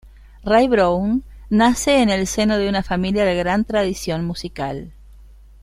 Ray Brown nace en el seno de una familia de gran tradición musical.